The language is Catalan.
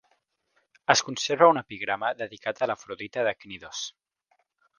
Es conserva un epigrama dedicat a l'Afrodita de Cnidos.